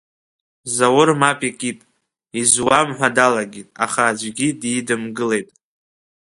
Заур мап икит, изуам ҳәа далагеит, аха аӡәгьы дидымгылеит.